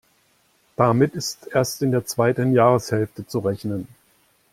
Damit ist erst in der zweiten Jahreshälfte zu rechnen.